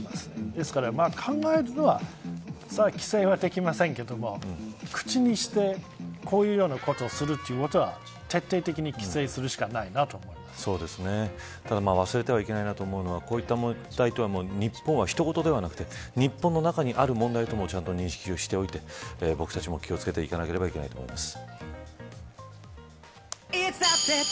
ですから、考えるのは規制はできませんけど口にして、こういうようなことをするということは徹底的に規制するしかないなただ、忘れてはいけないなと思うのは、こういった問題は日本ではひとごとではなく日本の中にある問題ともちゃんと認識をしておいて僕たちも気を付けておかなければいけないと思います。